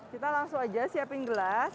kita langsung aja siapin gelas